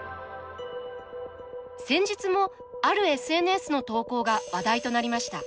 先日もあるＳＮＳの投稿が話題となりました。